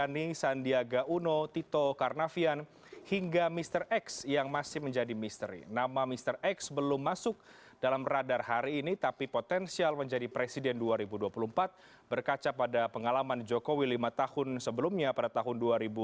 nama mr x belum masuk dalam radar hari ini tapi potensial menjadi presiden dua ribu dua puluh empat berkaca pada pengalaman jokowi lima tahun sebelumnya pada tahun dua ribu empat belas